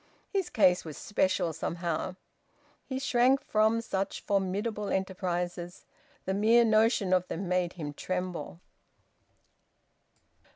His case was special, somehow... He shrank from such formidable enterprises. The mere notion of them made him tremble.